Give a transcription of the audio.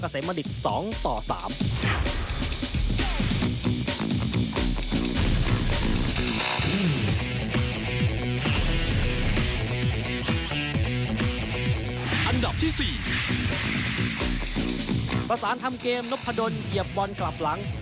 สวัสดีครับ